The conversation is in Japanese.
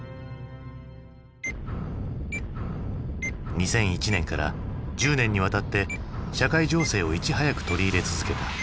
２００１年から１０年にわたって社会情勢をいち早く取り入れ続けた。